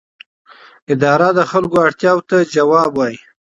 اداره د خلکو اړتیاوو ته ځواب وايي.